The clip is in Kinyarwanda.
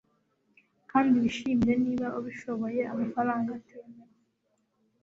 Kandi wishimire niba ubishoboye amafaranga atemewe